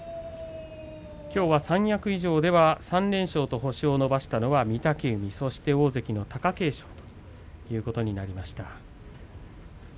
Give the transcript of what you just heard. きょうは三役以上では３連勝と星を伸ばしたのは御嶽海そして大関の貴景勝ということになりました。